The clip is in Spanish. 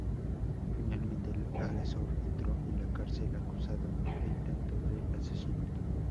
Finalmente el agresor entró en la cárcel acusado de intento de asesinato.